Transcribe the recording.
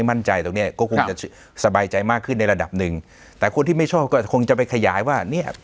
ตรงเนี้ยก็คงจะสบายใจมากขึ้นในระดับหนึ่งแต่คนที่ไม่ชอบก็คงจะไปขยายว่าเนี้ย